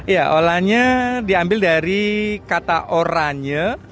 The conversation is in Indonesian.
ya olanya diambil dari kata oranya